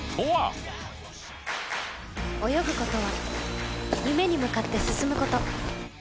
泳ぐ事は夢に向かって進む事。